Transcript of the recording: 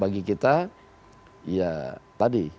bagi kita ya tadi